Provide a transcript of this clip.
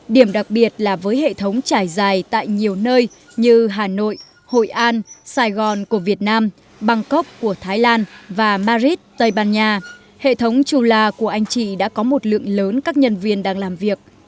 điểm đặc biệt là với hệ thống trải dài tại nhiều nơi như hà nội hội an sài gòn của việt nam bangkok của thái lan và madrid tây ban nha hệ thống chù la của anh chị đã có một lượng lớn các nhân viên đang làm việc